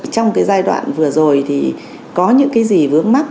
trong giai đoạn vừa rồi có những gì vướng mắt